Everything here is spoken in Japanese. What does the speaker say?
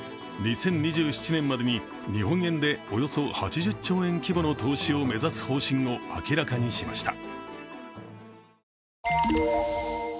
２０２７年までに日本円でおよそ８０兆円規模の投資を目指す方針を明らかにしました。